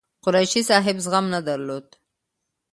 قریشي صاحب زغم نه درلود.